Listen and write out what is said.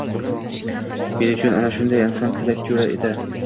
Men uchun ana shunday inson Tilak Jo‘ra edi…